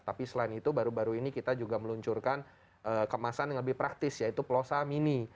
tapi selain itu baru baru ini kita juga meluncurkan kemasan yang lebih praktis yaitu plosa mini